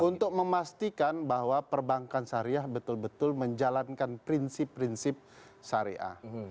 untuk memastikan bahwa perbankan syariah betul betul menjalankan prinsip prinsip syariah